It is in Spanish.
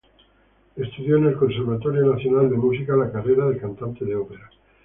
Estudió en el conservatorio Nacional de Música, la carrera de Cantante de Ópera.